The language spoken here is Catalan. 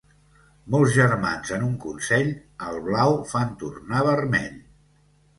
Molts germans en un consell, el blau fan tornar vermell.